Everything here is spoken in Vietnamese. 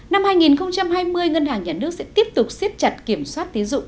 năm hai nghìn hai mươi ngân hàng nhà nước sẽ tiếp tục xếp chặt kiểm soát tín dụng